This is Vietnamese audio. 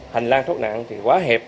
hành lang thốc nạn thì quá hẹp